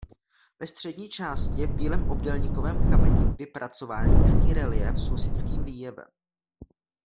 Ve střední části je v bílém obdélníkovém kameni vypracován nízký reliéf s husitským výjevem.